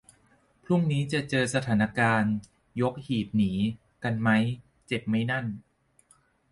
พรุ่งนี้จะเจอสถานการณ์ "ยกหีบหนี" กันมั้ย เจ็บมั้ยนั่น